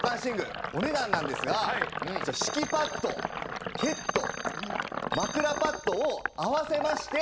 お値段なんですがこちら敷きパッドケット枕パッドを合わせまして。